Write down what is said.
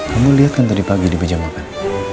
kamu lihat kan tadi pagi di meja makan